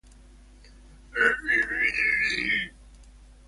Es Patrimonio Inmaterial de Andalucía.